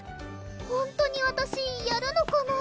ほんとにわたしやるのかな？